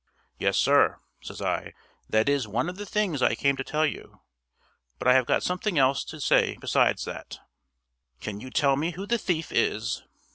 "Yes, sir," says I. "That is one of the things I came to tell you. But I have got something else to say besides that." "Can you tell me who the thief is?"